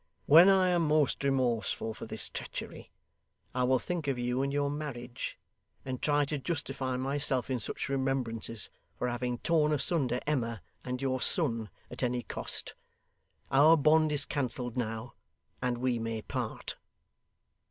When I am most remorseful for this treachery, I will think of you and your marriage, and try to justify myself in such remembrances, for having torn asunder Emma and your son, at any cost. Our bond is cancelled now, and we may part.